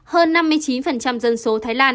hơn năm mươi chín dân số thái lan